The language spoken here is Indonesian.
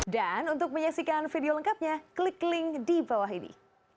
dan untuk menyaksikan video lengkapnya klik link di bawah ini